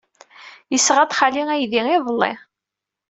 Yesɣa-d xali aydi iḍelli.